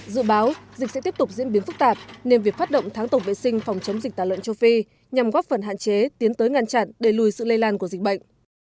dự báo dịch sẽ tiếp tục diễn biến phức tạp nên việc phát động tháng tổng vệ sinh phòng chống dịch tả lợn châu phi nhằm góp phần hạn chế tiến tới ngăn chặn để lùi sự lây lan của dịch bệnh